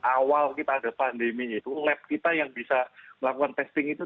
awal kita ada pandemi itu lab kita yang bisa melakukan testing itu